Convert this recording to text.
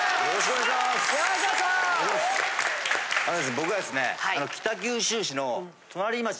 僕はですね。